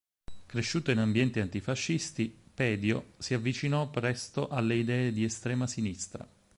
Cresciuto in ambienti antifascisti, Pedio si avvicinò presto alle idee di estrema sinistra.